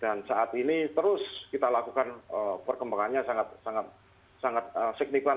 dan saat ini terus kita lakukan perkembangannya sangat signifikan